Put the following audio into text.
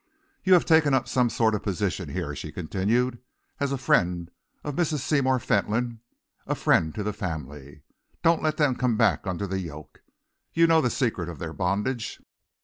"You have taken up some sort of position here," she continued, "as a friend of Mrs. Seymour Fentolin, a friend of the family. Don't let them come back under the yoke. You know the secret of their bondage?"